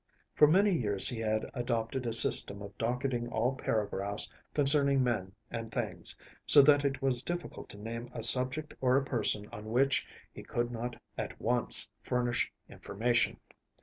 For many years he had adopted a system of docketing all paragraphs concerning men and things, so that it was difficult to name a subject or a person on which he could not at once furnish information.